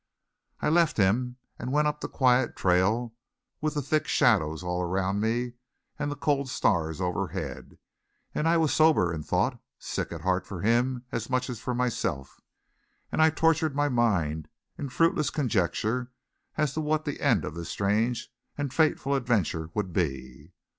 I left him and went up the quiet trail with the thick shadows all around me and the cold stars overhead; and I was sober in thought, sick at heart for him as much as for myself, and I tortured my mind in fruitless conjecture as to what the end of this strange and fateful adventure would be.